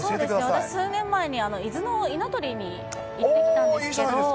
私、数年前に伊豆の稲取に行ってきたんですけど。